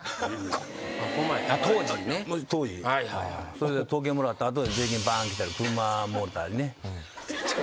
それで時計もらって後で税金バーンきたり車もろたりね。